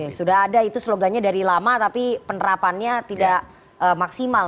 oke sudah ada itu slogannya dari lama tapi penerapannya tidak maksimal